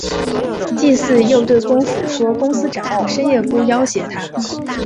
季姒又对公甫说公思展和申夜姑要挟她。